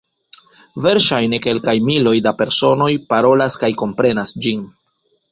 Verŝajne kelkaj miloj da personoj parolas kaj komprenas ĝin.